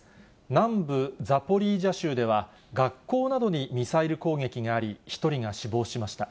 南部ザポリージャ州では、学校などにミサイル攻撃があり、１人が死亡しました。